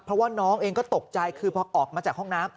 เพราะว่าน้องเองก็ตกใจคือพอออกมาจากห้องน้ำ